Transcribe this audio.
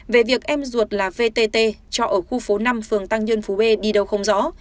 về việc em ruột là vtt cho ở khu phố năm phường tăng nhân phú b đi đâu không rõ